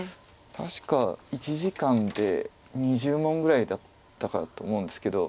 確か１時間で２０問ぐらいだったかと思うんですけど。